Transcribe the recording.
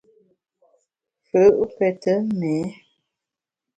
Fù’ pète méé.